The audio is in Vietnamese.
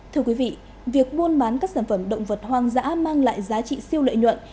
thưa quý vị việc buôn bán các sản phẩm động vật hoang dã mang lại giá trị siêu lợi nhuận